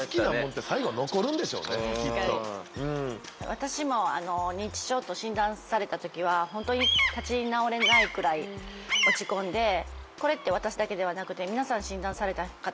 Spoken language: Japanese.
私も認知症と診断された時は本当に立ち直れないくらい落ち込んでこれって私だけではなくて皆さん診断された方はあると思うんです。